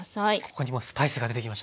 ここにもスパイスが出てきましたね。